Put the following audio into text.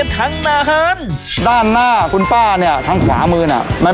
เท่าไหร่